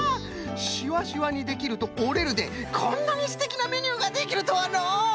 「しわしわにできる」と「おれる」でこんなにすてきなメニューができるとはのう！